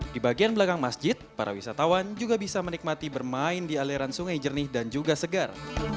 di bagian belakang masjid para wisatawan juga bisa menikmati bermain di aliran sungai jernih dan juga segar